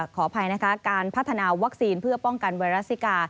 ขออภัยนะคะการพัฒนาวัคซีนเพื่อป้องกันไวรัสซิกา